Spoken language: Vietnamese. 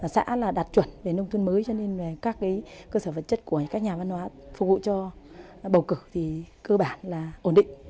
xã là đạt chuẩn về nông thôn mới cho nên về các cơ sở vật chất của các nhà văn hóa phục vụ cho bầu cử thì cơ bản là ổn định